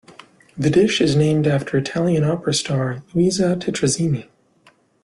The dish is named after Italian opera star Luisa Tetrazzini.